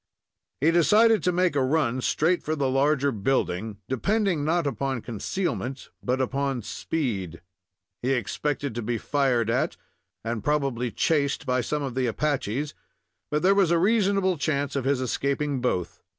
He decided to make a run straight for the larger building, depending not upon concealment but upon speed. He expected to be fired at, and probably chased by some of the Apaches, but there was a reasonable chance of his escaping both.